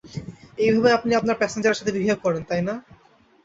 এইভাবে আপনি আপনার প্যাসেঞ্জারের সাথে বিহেভ করেন, তাই তো?